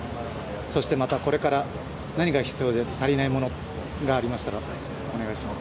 そしてまたこれから何が必要で足りないものがありましたらお願いします。